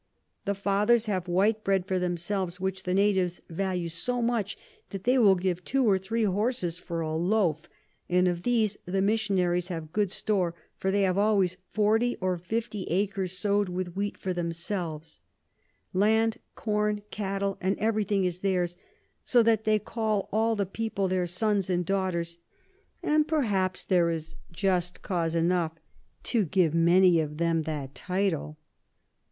The Fathers have white Bread for themselves, which the Natives value so much, that they will give two or three Horses for a Loaf; and of these the Missionaries have good store, for they have always 40 or 50 Acres sow'd with Wheat for themselves: Land, Corn, Cattel, and every thing is theirs; so that they call all the People their Sons and Daughters, and perhaps there's just cause enough to give many of 'em that Title.